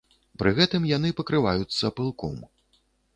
Пры гэтым яны пакрываюцца пылком.